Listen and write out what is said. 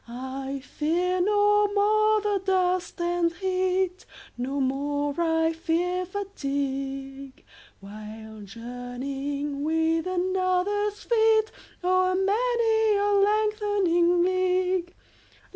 I fear no more the dust and heat, 25 No more I fear fatigue, While journeying with another's feet O'er many a lengthening league.